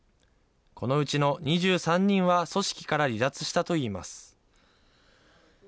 このうちの２３人は組織から離脱したといいます。